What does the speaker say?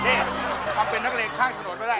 นี่ทำเป็นนักเลงข้างถนนไม่ได้